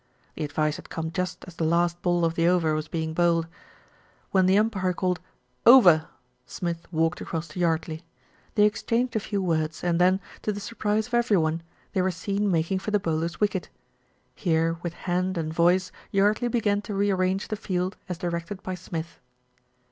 The advice had come just as the last ball of the over was being bowled. When the umpire called "Over," Smith walked across to Yardley. They exchanged a few words and then, to the surprise of every one, they were seen making for the bowler's wicket. Here, with hand and voice Yardley began to rearrange the field as directed by Smith.